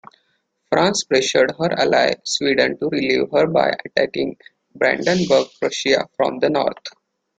France pressured her ally Sweden to relieve her by attacking Brandenburg-Prussia from the north.